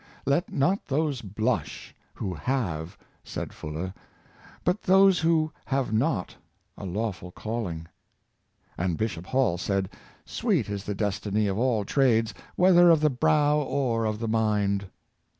" Let not those blush who have^'''' said Fuller, " but those who have not a lawful calling." And Bishop Hall said, '' Sweet is the destiny of all trades, whether of the brow or of the mind."